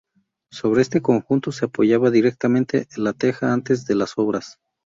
Sobre este conjunto se apoyaba directamente la teja antes de las obras.